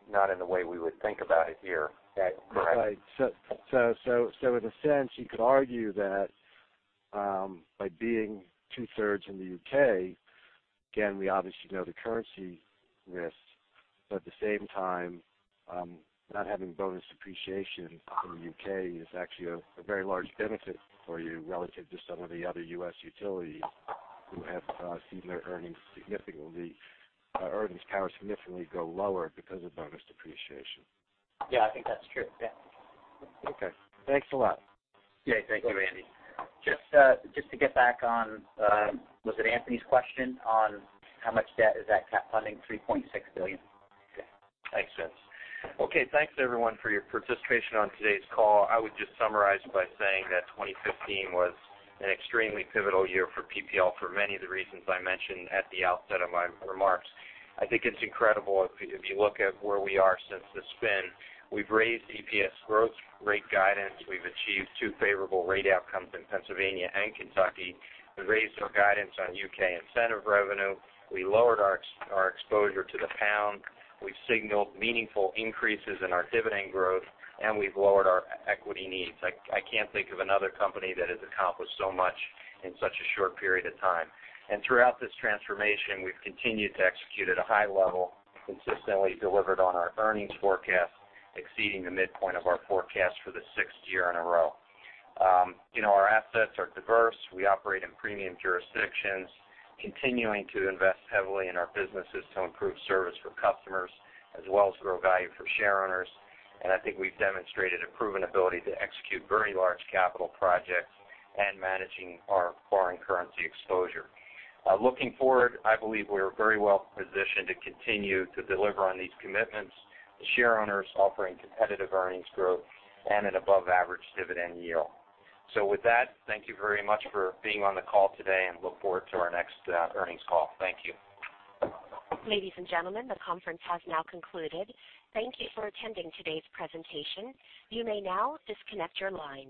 Not in the way we would think about it here. Correct. Right. In a sense, you could argue that by being two-thirds in the U.K. again, we obviously know the currency risks, at the same time, not having bonus depreciation in the U.K. is actually a very large benefit for you relative to some of the other US utilities who have seen their earnings power significantly go lower because of bonus depreciation. Yeah. I think that's true. Yeah. Okay. Thanks a lot. Yeah. Thank you, Andy. Just to get back on was it Anthony's question on how much debt is that CapEx funding? $3.6 billion. Okay. Makes sense. Okay. Thanks, everyone, for your participation on today's call. I would just summarize by saying that 2015 was an extremely pivotal year for PPL for many of the reasons I mentioned at the outset of my remarks. I think it's incredible. If you look at where we are since the spin, we've raised EPS growth rate guidance. We've achieved two favorable rate outcomes in Pennsylvania and Kentucky. We've raised our guidance on UK incentive revenue. We lowered our exposure to the pound. We've signaled meaningful increases in our dividend growth, we've lowered our equity needs. I can't think of another company that has accomplished so much in such a short period of time. Throughout this transformation, we've continued to execute at a high level, consistently delivered on our earnings forecast, exceeding the midpoint of our forecast for the sixth year in a row. Our assets are diverse. We operate in premium jurisdictions, continuing to invest heavily in our businesses to improve service for customers as well as grow value for shareowners. I think we've demonstrated a proven ability to execute very large capital projects and managing our foreign currency exposure. Looking forward, I believe we're very well positioned to continue to deliver on these commitments to shareowners, offering competitive earnings growth and an above-average dividend yield. With that, thank you very much for being on the call today, and look forward to our next earnings call. Thank you. Ladies and gentlemen, the conference has now concluded. Thank you for attending today's presentation. You may now disconnect your line.